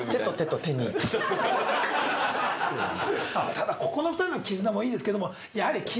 ただここの２人の絆もいいですけどもやはり。